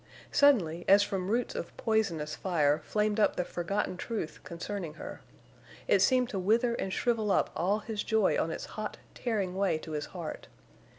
Suddenly, as from roots of poisonous fire, flamed up the forgotten truth concerning her. It seemed to wither and shrivel up all his joy on its hot, tearing way to his heart.